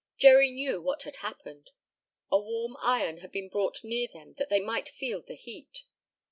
Jerry knew what had happened. A warm iron had been brought near them that they might feel the heat.